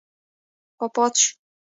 وفات شو.